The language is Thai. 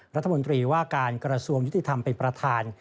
รัฐมนตรีว่าการกระทรวงยุติธรรมเป็นประธาน